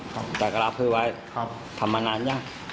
แต่กระลาภคือไว้ทำมานานยัง